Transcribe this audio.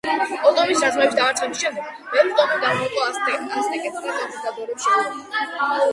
ოთომის რაზმების დამარცხების შემდეგ, ბევრი ტომი გამოეყო აცტეკებს და კონკისტადორებს შეუერთდა.